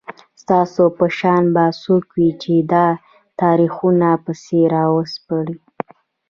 ستاسو په شان به څوک وي چي دا تاریخونه پسي راوسپړي